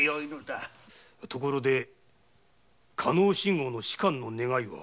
ところで加納信吾の仕官の願いは？